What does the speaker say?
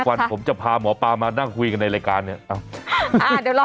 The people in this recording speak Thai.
สักวันผมจะพาหมอปลามานั่งคุยกันในรายการเนี้ยอ้าวอ้าวเดี๋ยวรอสิครับ